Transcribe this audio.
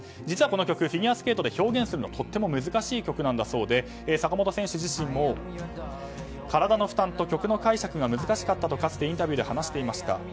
実はこの曲フィギュアスケートで表現するのがとても難しい曲だそうで坂本選手自身も体の負担と曲の解釈が難しかったとかつてインタビューで話していました。